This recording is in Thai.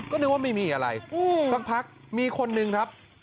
ก็นึกว่าไม่มีอะไรสักพักมีคนนึงครับ